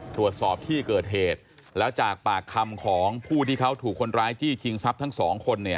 ตรวจสอบที่เกิดเหตุแล้วจากปากคำของผู้ที่เขาถูกคนร้ายจี้ชิงทรัพย์ทั้งสองคนเนี่ย